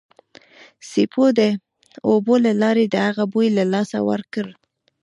سپیو د اوبو له لارې د هغه بوی له لاسه ورکړ